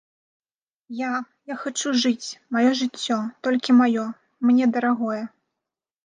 Я, я хачу жыць, маё жыццё, толькі маё, мне дарагое.